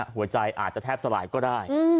หัวใจอาจจะแทบสลายก็ได้